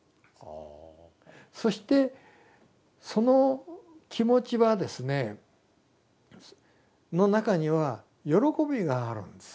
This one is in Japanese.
そしてその気持ちはですねの中には喜びがあるんですよ。